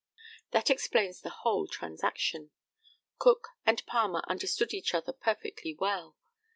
That explains the whole transaction. Cook and Palmer understood each other perfectly well.